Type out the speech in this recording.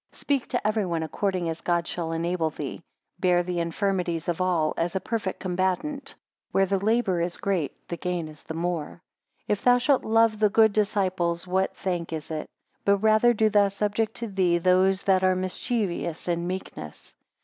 6 Speak to every one according as God shall enable thee. Bear the infirmities of all, as a perfect combatant; where the labour is great, the gain is the more. 7 If thou shalt love the good disciples, what thank is it? But rather do thou subject to thee those that are mischievous, in meekness.